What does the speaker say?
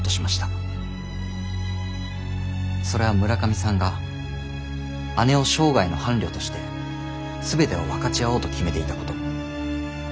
それは村上さんが姉を生涯の伴侶として全てを分かち合おうと決めていたこと。